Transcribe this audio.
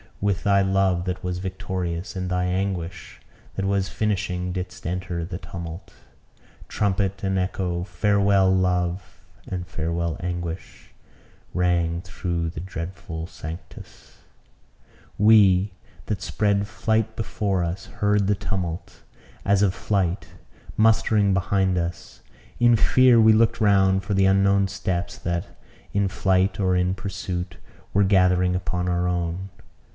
with thy love that was victorious, and thy anguish that was finishing, didst enter the tumult: trumpet and echo farewell love, and farewell anguish rang through the dreadful sanctus. We, that spread flight before us, heard the tumult, as of flight, mustering behind us. In fear we looked round for the unknown steps that, in flight or in pursuit, were gathering upon our own.